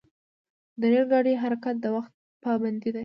د ریل ګاډي حرکت د وخت پابند دی.